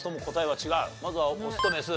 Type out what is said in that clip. まずはオスとメス。